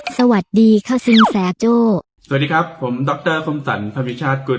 สวัสดีค่ะสินแสโจ้สวัสดีครับผมดรคมสรรภิชาติกุล